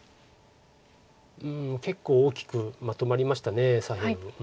結構大きくまとまりました左辺。